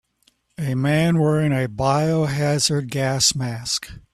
A man wearing a bio hazard gas mask